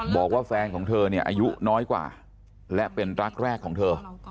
บอกว่าแฟนของเธอเนี่ยอายุน้อยกว่าและเป็นรักแรกของเธอ